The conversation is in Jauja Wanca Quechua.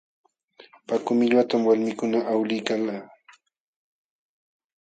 Paku willwatam walmikuna awliykalka.